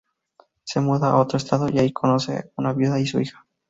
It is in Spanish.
Se muda a otro estado y allí conoce a una viuda y su hija.